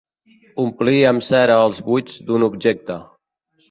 Omplir amb cera els buits d'un objecte.